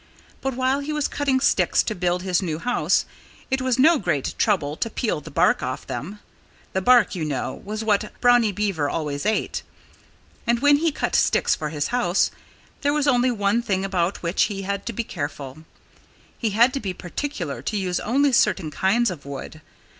But while he was cutting sticks to build his new house it was no great trouble to peel the bark off them. The bark, you know, was what Brownie Beaver always ate. And when he cut sticks for his house there was only one thing about which he had to be careful; he had to be particular to use only certain kinds of wood.